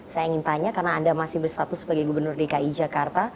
saya ingin tanya karena anda masih berstatus sebagai gubernur dki jakarta